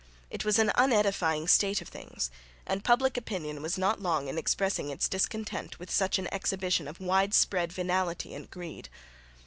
It was an unedifying state of things; and public opinion was not long in expressing its discontent with such an exhibition of widespread venality and greed.